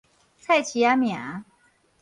菜市仔名